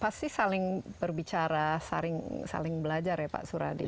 pasti saling berbicara saling belajar ya pak suradi